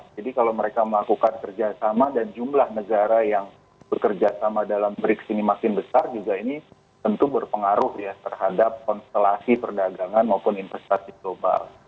jadi kalau mereka melakukan kerjasama dan jumlah negara yang bekerjasama dalam brics ini makin besar juga ini tentu berpengaruh ya terhadap konstelasi perdagangan maupun investasi global